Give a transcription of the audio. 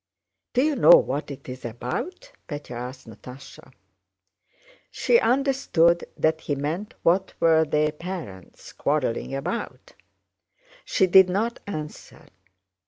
"Do you know what it's about?" Pétya asked Natásha. She understood that he meant what were their parents quarreling about. She did not answer.